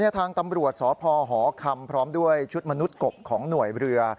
ทางตำรวจสพหอคำพร้อมด้วยชุดมนุษย์กบของหน่วยเรือ